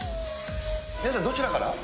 皆さん、どちらから？